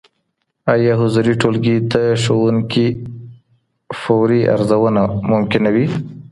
ايا حضوري ټولګي د ښوونکي فوري ارزونه ممکنوي؟